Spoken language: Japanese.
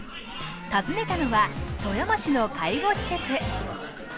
訪ねたのは富山市の介護施設。